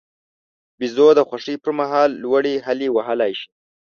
بیزو د خوښۍ پر مهال لوړې هلې وهلای شي.